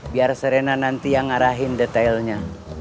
biar serena nanti yang ngarahin detailnya